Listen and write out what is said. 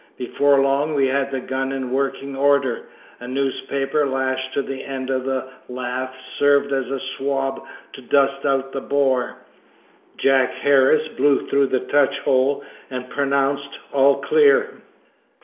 Before long we had the gun in working order. A newspaper lashed to the end of a lath served as a swab to dust out the bore. Jack Harris blew through the touch hole and pronounced all clear.